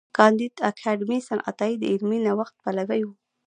کانديد اکاډميسن عطايي د علمي نوښت پلوي و.